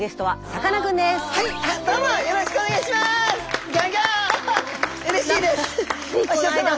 はい。